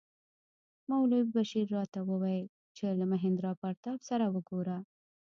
مولوي بشیر راته وویل چې له مهیندراپراتاپ سره وګوره.